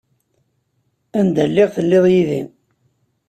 Anda lliɣ telliḍ yid-i.